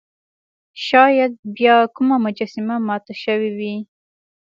شاید بیا کومه مجسمه ماته شوې وي.